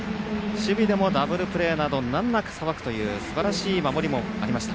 守備でもダブルプレーなど難なくさばくという守りもありました。